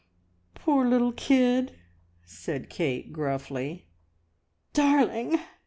"Poor little kid!" said Kate gruffly. "D arling!"